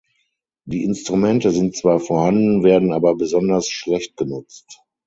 Die Instrumente sind zwar vorhanden, werden aber besonders schlecht genutzt.